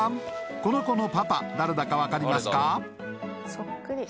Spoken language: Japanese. この子のパパ誰だか分かりますか？